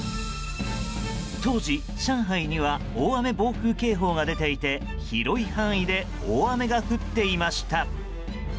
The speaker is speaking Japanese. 当時、上海には大雨・暴風警報が出ていて広い範囲で大雨が降っていました。